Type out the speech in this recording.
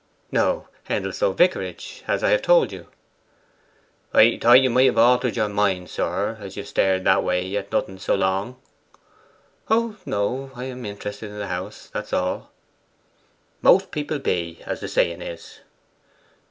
'No; Endelstow Vicarage, as I have told you.' 'I thought you m't have altered your mind, sir, as ye have stared that way at nothing so long.' 'Oh no; I am interested in the house, that's all.' 'Most people be, as the saying is.